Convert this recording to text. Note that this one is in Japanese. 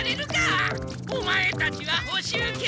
オマエたちはほしゅう決定だ！